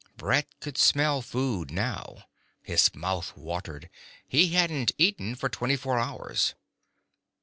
Brett could smell food now. His mouth watered. He hadn't eaten for twenty four hours.